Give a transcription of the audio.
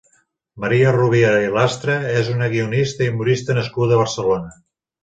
Maria Rovira i Lastra és una guionista i humorista nascuda a Barcelona.